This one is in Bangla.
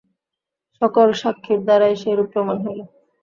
সকল সাক্ষীর দ্বারাই সেইরূপ প্রমাণ হইল।